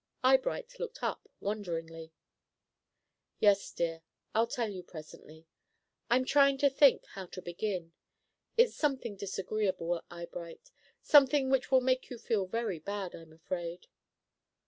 Eyebright looked up, wonderingly. "Yes, dear, I'll tell you presently. I'm trying to think how to begin. It's something disagreeable, Eyebright, something which will make you feel very bad, I'm afraid."